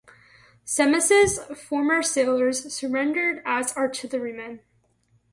Semmes's former sailors surrendered as artillerymen.